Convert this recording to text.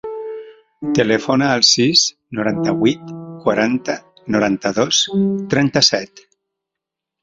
Telefona al sis, noranta-vuit, quaranta, noranta-dos, trenta-set.